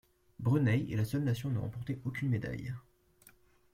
Brunei est la seule nation à ne remporter aucune médaille.